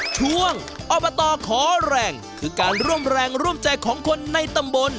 ช่วงอบตขอแรงคือการร่วมแรงร่วมใจของคนในตำบล